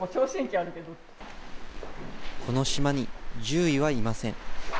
この島に獣医はいません。